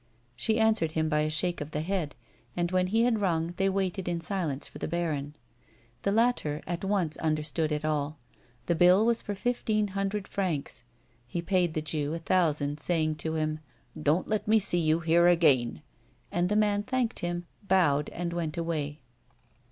She answered him by a shake of the head, and when he had rung they waited in silence for the baron. The latter at once understood it all. The bill was for fifteen hundred francs. He paid the Jew a thousand, saying to him :" Don't let me see you here again," and the man thanked him, bowed, and went away.